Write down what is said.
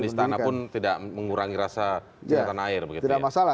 artinya bukan di istana pun tidak mengurangi rasa cinta tanah air begitu ya